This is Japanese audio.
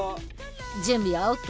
準備はＯＫ？